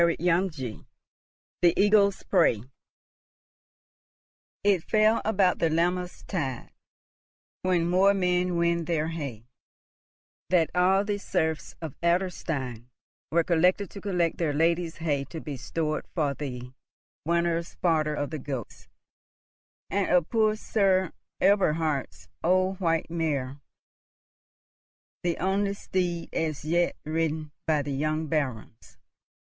CHAPTER X THE EAGLE'S PREY "IT fell about the Lammas tide, When moor men win their hay," that all the serfs of Adlerstein were collected to collect their lady's hay to be stored for the winter's fodder of the goats, and of poor Sir Eberhard's old white mare, the only steed as yet ridden by the young Barons.